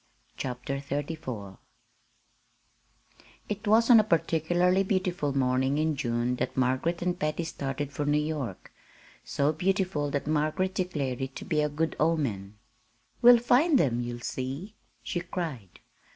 CHAPTER XXXIV It was on a particularly beautiful morning in June that Margaret and Patty started for New York so beautiful that Margaret declared it to be a good omen. "We'll find them you'll see!" she cried.